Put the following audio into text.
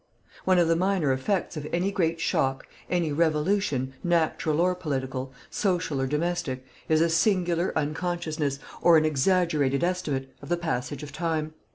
One of the minor effects of any great shock, any revolution, natural or political, social or domestic, is a singular unconsciousness, or an exaggerated estimate, of the passage of time.